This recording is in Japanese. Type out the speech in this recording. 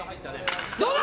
どうだ？